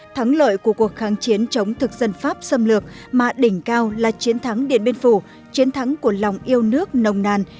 thắng lợi của cuộc kháng chiến chống thực dân pháp xâm lược mà đỉnh cao là chiến thắng điện biên phủ chiến thắng của lòng yêu nước nồng nàn